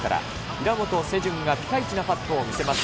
平本世中がピカイチなパットを見せます。